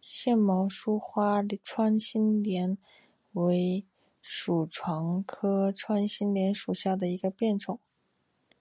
腺毛疏花穿心莲为爵床科穿心莲属下的一个变种。